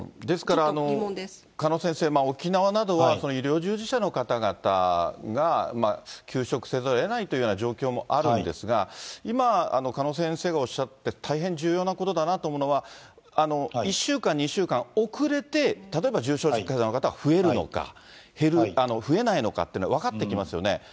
ですから鹿野先生、沖縄などは医療従事者の方々が休職せざるをえないという状況もあるんですが、今、鹿野先生がおっしゃって重要なことだなと思うのは、１週間、２週間遅れて、例えば重症者の方が増えるのか、増えないのかっていうのは分かってきますよね。